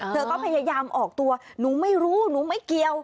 เธอก็พยายามออกตัวหนูไม่รู้หนูไม่เกี่ยว